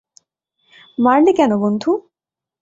মারলি কেন, বন্ধ!